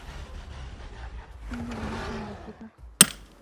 کی ایہہ نی، تو مہاڑا سر نہ کھا